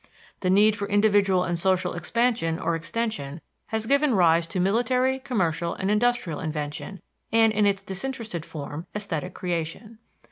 The need for individual and social expansion or extension has given rise to military, commercial, and industrial invention, and in its disinterested form, esthetic creation.